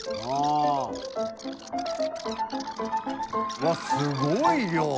うわっすごい量！